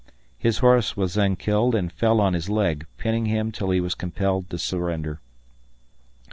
His horse was then killed and fell on his leg, pinning him till he was compelled to surrender.